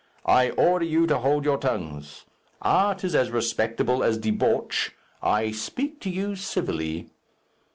I order you to hold your tongues. Art is as respectable as debauch. I speak to you civilly."